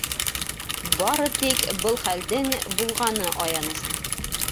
Бары тик был хәлдең булғаны аяныс.